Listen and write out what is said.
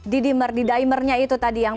di dimer di dimernya itu tadi yang